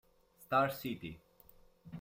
Star City